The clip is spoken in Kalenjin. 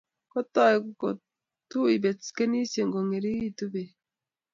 Kotoi kotui beskenisiek kongeringitu bek